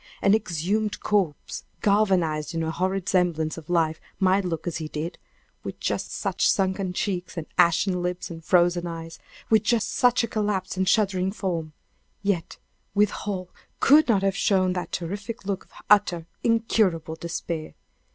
An exhumed corpse galvanized into a horrid semblance of life might look as he did with just such sunken cheeks and ashen lips and frozen eyes; with just such a collapsed and shuddering form; yet, withal, could not have shown that terrific look of utter, incurable despair!